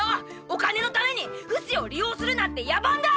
お金のためにフシを利用するなんて野蛮だ！